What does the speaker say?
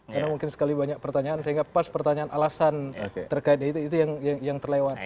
karena mungkin sekali banyak pertanyaan sehingga pas pertanyaan alasan terkait itu yang terlewat